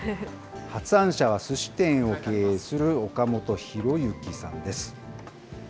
発案者はすし店を経営する岡本博幸さんです。